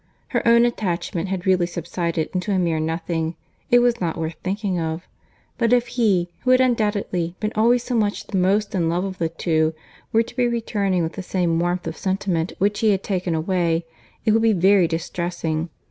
Her own attachment had really subsided into a mere nothing; it was not worth thinking of;—but if he, who had undoubtedly been always so much the most in love of the two, were to be returning with the same warmth of sentiment which he had taken away, it would be very distressing.